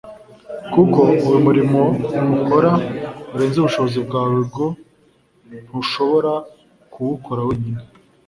kuko uyu murimo ukora urenze ubushobozi bwawe g Ntushobora kuwukora wenyine